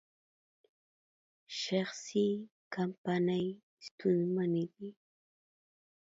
شخصي کمپنۍ ستونزمنې دي.